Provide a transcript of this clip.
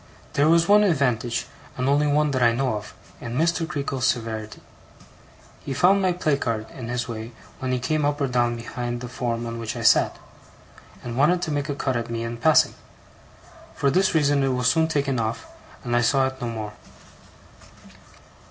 There was one advantage, and only one that I know of, in Mr. Creakle's severity. He found my placard in his way when he came up or down behind the form on which I sat, and wanted to make a cut at me in passing; for this reason it was soon taken off, and I saw it no more.